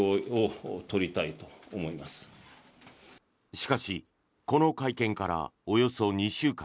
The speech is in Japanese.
しかし、この会見からおよそ２週間。